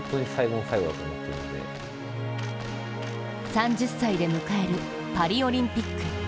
３０歳で迎えるパリオリンピック。